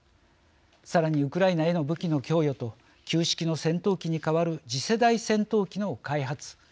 さらにウクライナへの武器の供与と旧式の戦闘機に代わる次世代戦闘機の開発